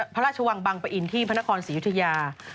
พระราชวังบังปะอินที่พระนครศรียุธยา